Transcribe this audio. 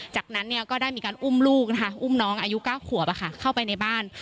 จากนั้นก็ได้มีการอุ้มลูกนะคะอุ้มน้องอายุ๙ขวบเข้าไปในบ้าน